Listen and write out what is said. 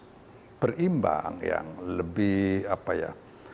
kalau ini berimbang yang lebih apa ya